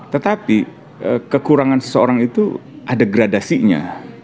tetapi kekurangan seseorang itu ada gradasinya